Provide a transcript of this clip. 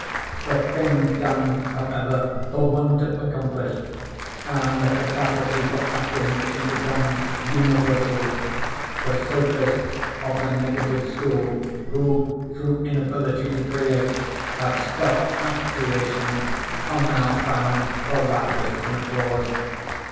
The thing done, however; the wonder accomplished; and the capacity for apprehension becomes universal. The sophists of the negative school who, through inability to create, have scoffed at creation, are now found the loudest in applause.